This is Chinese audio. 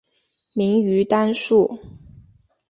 明于丹术。